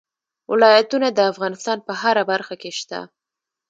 ولایتونه د افغانستان په هره برخه کې شته.